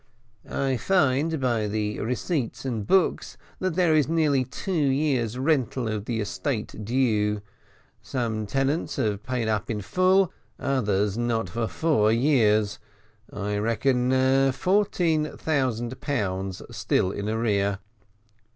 "I find, by the receipts and books, that there is nearly two years' rental of the estate due; some tenants have paid up in full, others not for four years. I reckon fourteen thousand pounds still in arrear."